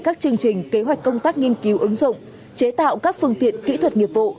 các chương trình kế hoạch công tác nghiên cứu ứng dụng chế tạo các phương tiện kỹ thuật nghiệp vụ